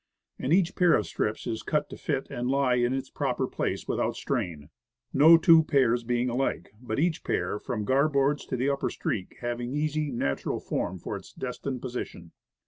And each pair of strips is cut to fit and lie in its proper place without strain, no two pairs being alike, but each pair, from garboards to upper . streak, having easy, natural form for its destined position.